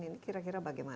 ini kira kira bagaimana